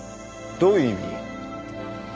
どういう意味？